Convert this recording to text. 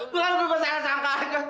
lu maksudnya ini aja aduh